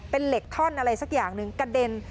เป็นเหล็กท่อนอะไรสักอย่างหนึ่งกระเด็น